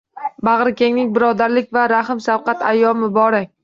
Bagʻrikenglik, birodarlik va rahm-shafqat ayyomi muborak!